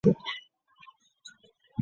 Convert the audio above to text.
该物种的模式产地在东印度群岛。